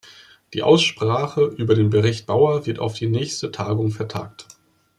Die Aussprache über den Bericht Bauer wird auf die nächste Tagung vertagt.